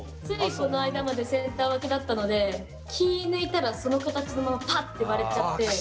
ついこの間までセンター分けだったので気抜いたらその形のままパッて割れちゃって。